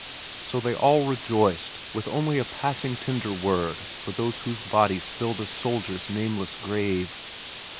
So they all rejoiced, with only a passing tender word for those whose bodies filled a soldier's nameless grave.